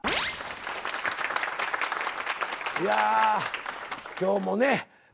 いや今日もね